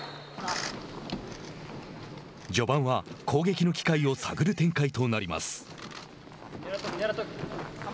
序盤は攻撃の機会を探る展開となります。